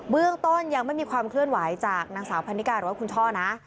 เรื่องต้นยังไม่มีความเคลื่อนไหวจากนางสาวพันนิกาหรือว่าคุณช่อนะ